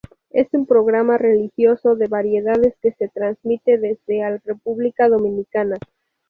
Es un programa religioso de variedades que se transmite desde al República Dominicana.